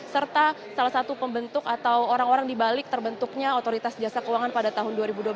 serta salah satu pembentuk atau orang orang dibalik terbentuknya otoritas jasa keuangan pada tahun dua ribu dua puluh satu